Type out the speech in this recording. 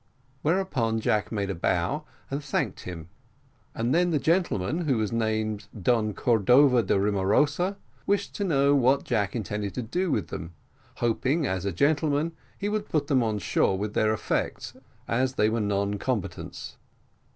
Whereupon Jack made a bow and thanked him; and then the gentleman, whose name was Don Cordova de Rimarosa, wished to know what Jack intended to do with them, hoping, as a gentleman, he would put them on shore with their effects, as they were non combatants.